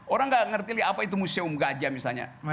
orang nggak ngerti apa itu museum gajah misalnya